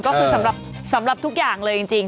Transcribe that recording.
ก็คือสำหรับสำหรับทุกอย่างเลยจริง